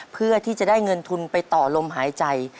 เพื่อที่จะได้เงินทุนไปต่อลมหายใจ